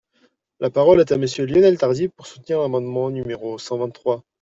La parole est à Monsieur Lionel Tardy, pour soutenir l’amendement numéro cent vingt-trois.